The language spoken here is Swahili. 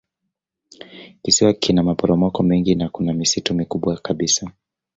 Kisiwa kina maporomoko mengi na kuna misitu mikubwa kabisa.